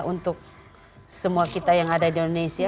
untuk semua kita yang ada di indonesia